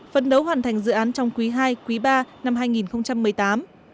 phân đấu hoàn thành dự án trong quý ii quý iii năm hai nghìn một mươi tám